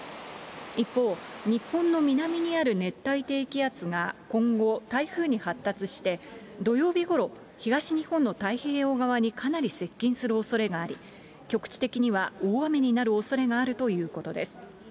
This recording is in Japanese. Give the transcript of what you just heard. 一方、日本の南にある熱帯低気圧が今後、台風に発達して、土曜日ごろ、東日本の太平洋側にかなり接近するおそれがあり、局地的には大雨になるおそれがあるということです。